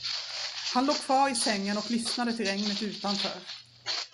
Han låg kvar i sängen och lyssnade till regnet utanför.